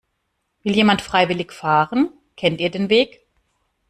Will jemand freiwillig fahren? Kennt ihr den Weg?